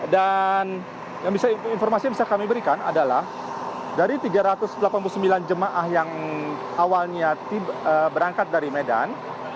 dan informasi yang bisa kami berikan adalah dari tiga ratus delapan puluh sembilan jemaah yang awalnya berangkat dari medan